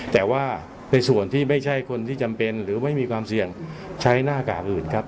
แต่ว่าในส่วนที่ไม่ใช่คนที่จำเป็นหรือไม่มีความเสี่ยงใช้หน้ากากอื่นครับ